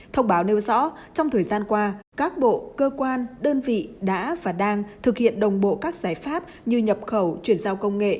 thông báo nêu rõ trong thời gian qua các bộ cơ quan đơn vị đã và đang thực hiện đồng bộ các giải pháp như nhập khẩu chuyển giao công nghệ